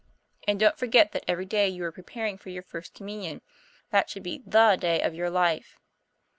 And don't forget that every day you are preparing for your First Communion. That should be the day of your life.